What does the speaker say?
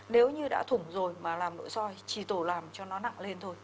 nếu như đã thủng rồi mà làm nội soi chỉ tổ làm cho nó nặng lên thôi